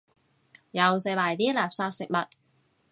又食埋啲垃圾食物